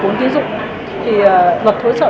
khẩn nghiệp thông tin sẽ khó mạch v v